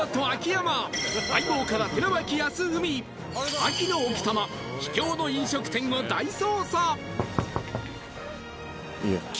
秋の奥多摩秘境の飲食店を大捜査